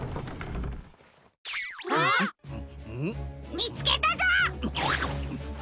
みつけたぞ！